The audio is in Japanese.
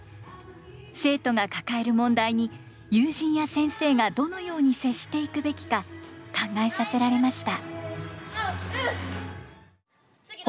生徒が抱える問題に友人や先生がどのように接していくべきか考えさせられました。